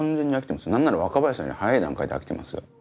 何なら若林さんより早い段階で飽きてますよ。